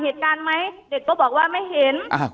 เหตุการณ์ไหมเด็กก็บอกว่าไม่เห็น